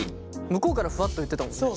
向こうからふわっと言ってたもんね。